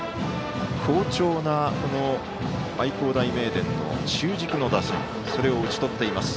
好調な愛工大名電の中軸の打線を打ち取っています。